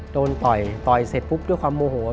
ต่อยต่อยเสร็จปุ๊บด้วยความโมโห